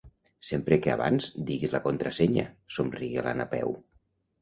Sempre que abans diguis la contrasenya —somrigué la Napeu.